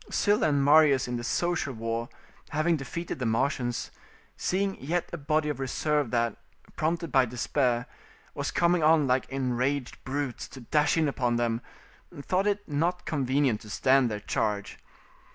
Sylla and Marius in the social war, having defeated the Marsians, seeing yet a body of reserve that, prompted by despair, was coming on like enraged brutes to dash in upon them, thought it not convenient to stand their charge.